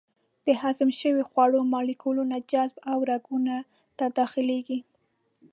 د هضم شوو خوړو مالیکولونه جذب او رګونو ته داخلېږي.